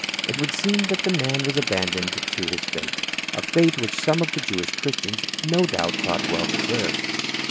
It would seem that the man was abandoned to his fate, a fate which some of the Jewish Christians no doubt thought well deserved.